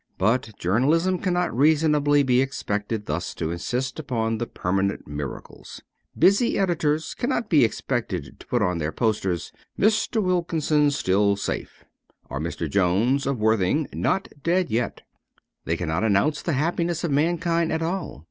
But journal ism cannot reasonably be expected thus to insist upon the permanent miracles. Busy editors can not be expected to put on their posters * Mr. Wilkin son Still Safe,' or 'Mr. Jones of Worthing, Not Dead Yet.' They cannot announce the happiness of mankind at all.